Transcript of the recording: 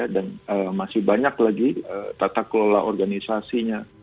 dan masih banyak lagi tata kelola organisasinya